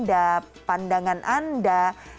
dan pandangan anda